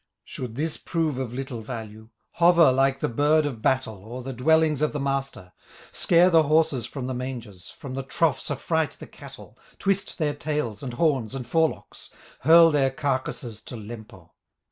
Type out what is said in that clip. "Should this prove of little value, Hover like the bird of battle, O'er the dwellings of the master, Scare the horses from the mangers, From the troughs affright the cattle, Twist their tails, and horns, and forelocks, Hurl their carcasses to Lempo.